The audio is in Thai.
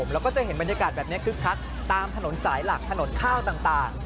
แล้วก็จะเห็นบรรยากาศแบบนี้คึกคักตามถนนสายหลักถนนข้าวต่าง